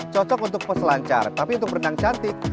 cocok untuk peselancar tapi untuk berenang cantik